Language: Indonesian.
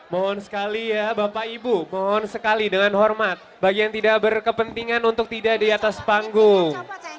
mohon sekali ya bapak ibu mohon sekali dengan hormat bagi yang tidak berkepentingan untuk tidak di atas panggung